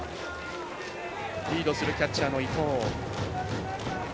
リードするキャッチャーの伊藤。